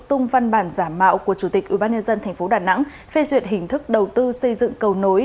tung văn bản giả mạo của chủ tịch ubnd tp đà nẵng phê duyệt hình thức đầu tư xây dựng cầu nối